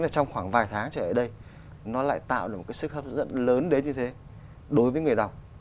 trong khoảng vài tháng trở lại đây nó lại tạo được một cái sức hấp dẫn lớn đến như thế đối với người đọc